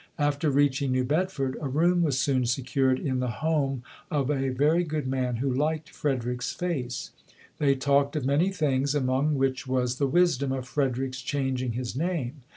After reaching New Bedford, a room was soon secured in the home of a very good man who liked Frederick's face. They talked of many things, FREDERICK DOUGLASS [ 29 among which was the wisdom of Frederick's changing his name.